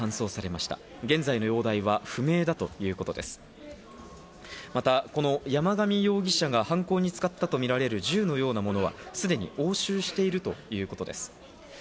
また山上容疑者が犯行に使ったとみられる銃のようなものはすでに押収しているということです。